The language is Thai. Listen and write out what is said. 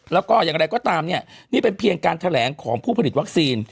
แล้วก็อย่างไรก็ตามเนี่ยนี่เป็นเพียงการแถลงของผู้ผลิตวัคซีน